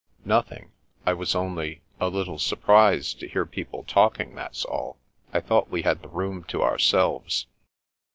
" Nothing. I was only — ^a little surprised to hear people talking, that's all. I thought we had the room to ourselves."